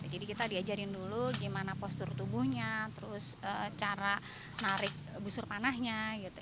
jadi kita diajarin dulu gimana postur tubuhnya cara menarik busur panahnya